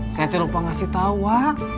saya terlupa ngasih tau wak